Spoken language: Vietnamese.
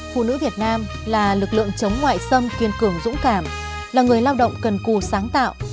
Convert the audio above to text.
phụ nữ việt nam là lực lượng chống ngoại xâm kiên cường dũng cảm là người lao động cần cù sáng tạo